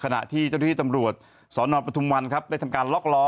ขณะที่เจ้าหน้าที่ตำรวจสนปทุมวันครับได้ทำการล็อกล้อ